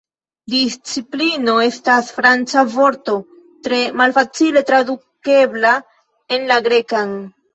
Disciplino estas Franca vorto tre malfacile tradukebla en la Grekan.